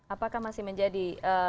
apakah masih menjadi